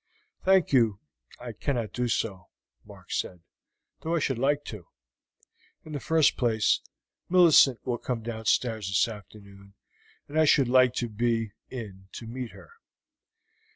"Thank you; I cannot do so," Mark said, "though I should like to. In the first place, Millicent will come downstairs this afternoon, and I should like to be in to meet her.